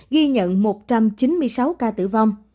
ghi nhận một trăm chín mươi sáu ca tử vong